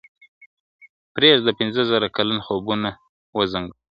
پرېږده پنځه زره کلن خوبونه وزنګوو !.